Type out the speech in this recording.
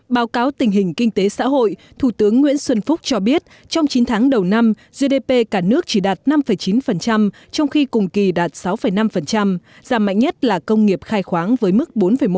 báo cáo tình hình kinh tế xã hội thủ tướng nguyễn xuân phúc cho biết trong chín tháng đầu năm gdp cả nước chỉ đạt năm chín trong khi cùng kỳ đạt sáu năm giảm mạnh nhất là công nghiệp khai khoáng với mức bốn một